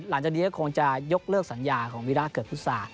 หลังจากนี้ก็คงจะยกเลิกสัญญาของวีร่าเกิดภูมิคุ้มดักศาสตร์